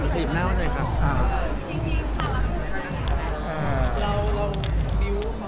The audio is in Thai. กระเย็บหน้าเข้ามาหน่อยครับ